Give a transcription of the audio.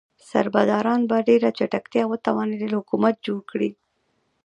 سربداران په ډیره چټکتیا وتوانیدل حکومت جوړ کړي.